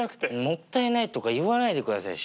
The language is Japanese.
もったいないとか言わないでください